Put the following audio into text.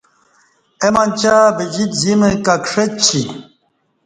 اے منچیہ بجیت زیمہ کہ کݜہ چی